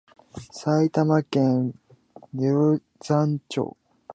埼玉県毛呂山町